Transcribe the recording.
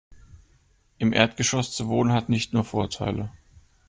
Im Erdgeschoss zu wohnen, hat nicht nur Vorteile.